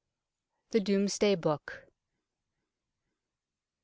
THE DOMESDAY BOOK 1.